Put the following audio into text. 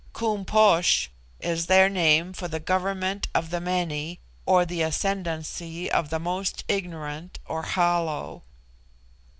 Koom posh is their name for the government of the many, or the ascendancy of the most ignorant or hollow.